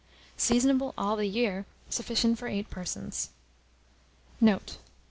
Seasonable all the year. Sufficient for 8 persons. Note.